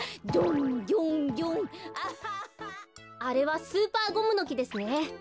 あれはスーパーゴムのきですね。